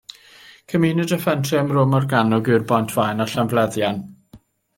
Cymuned a phentref ym Mro Morgannwg ydy'r Bont-faen a Llanfleiddan.